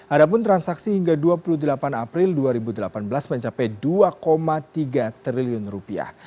adapun transaksi hingga dua puluh delapan april dua ribu delapan belas mencapai dua tiga triliun rupiah